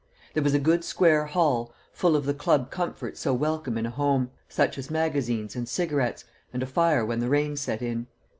There was a good square hall, full of the club comforts so welcome in a home, such as magazines and cigarettes, and a fire when the rain set in.